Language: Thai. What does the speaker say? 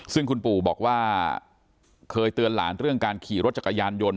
ซึ่งคุณปู่บอกว่าเคยเตือนหลานเรื่องการขี่รถจักรยานยนต์